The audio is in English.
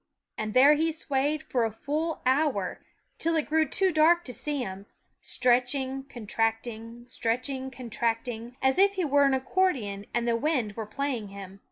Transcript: And there he swayed for a full hour, till it grew too dark to see him, stretching, con .x/ J^&zy ^ fi tracting, stretching, contracting, as if he were F&flo\v' >& an accordion and the wind were playing him.